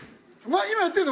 今やってんの？